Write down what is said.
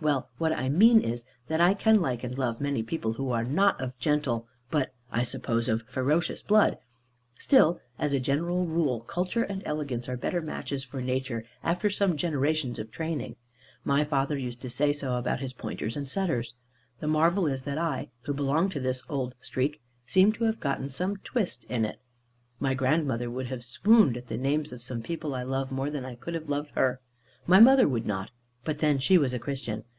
Well, what I mean is, that I can like and love many people who are not of gentle, but (I suppose) of ferocious blood; still, as a general rule, culture and elegance are better matches for nature, after some generations of training. My father used to say so about his pointers and setters. The marvel is that I, who belong to this old streak, seem to have got some twist in it. My grandmother would have swooned at the names of some people I love more than I could have loved her. My mother would not. But then she was a Christian.